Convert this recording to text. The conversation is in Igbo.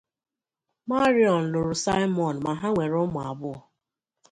Marion lụrụ Simon ma ha nwere ụmụ abụọ.